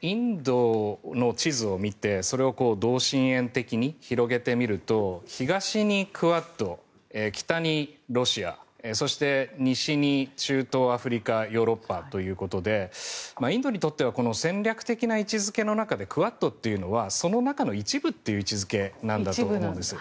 インドの地図を見てそれを同心円的に広げてみると東にクアッド、北にロシアそして、西に中東、アフリカヨーロッパということでインドにとっては戦略的な位置付けの中でクアッドというのはその中の一部という位置付けなんだと思うんです。